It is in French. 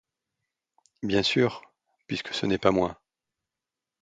Bien sûr, puisque ce n'est pas moi.